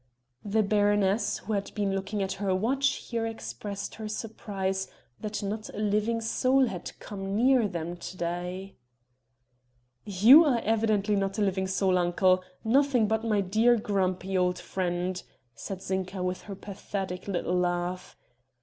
The baroness who had been looking at her watch here expressed her surprise that not a living soul had come near them to day. "You are evidently not a living soul, uncle nothing but my dear grumpy old friend," said Zinka with her pathetic little laugh.